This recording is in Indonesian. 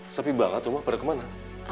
sepi banget rumah pada kemana